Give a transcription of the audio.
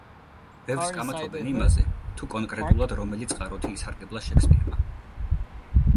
ბევრს კამათობენ იმაზე, თუ კონკრეტულად რომელი წყაროთი ისარგებლა შექსპირმა.